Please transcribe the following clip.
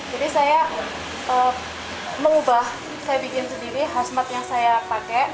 jadi saya mengubah saya bikin sendiri khas mat yang saya pakai